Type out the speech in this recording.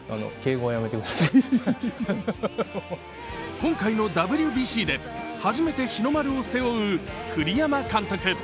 今回のＷＢＣで初めて日本を背負う栗山監督。